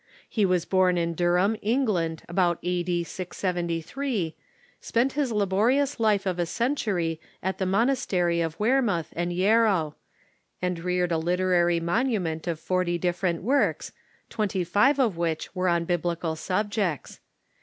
lie was born in Durham, England, about A.D. 673, spent his laborious life of a century at the monastery of Wearmouth and Yarrow, and reared a lit erary monument of forty different works, twenty five of which were on Biblical subjects.